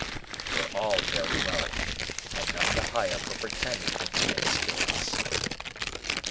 We were all very low, and none the higher for pretending to be in spirits.